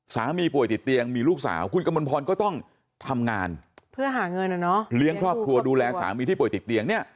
สามีป่วยติดเตียงมีลูกสาวคุณกมลพรก็ต้องทำงานเพื่อหาเงินเลี้ยงครอบครัวดูแลสามีที่ป่วยติดเตียงเนี่ย